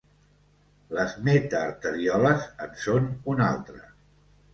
Les metarterioles en són un altre.